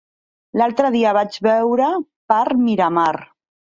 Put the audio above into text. L'altre dia el vaig veure per Miramar.